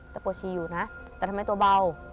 แต่ปวดชีอยู่นะแต่ทำไมตัวเบา